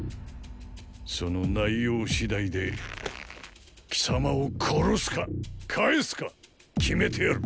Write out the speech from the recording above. その内容次第で貴様を“殺す”か“返す”か決めてやる。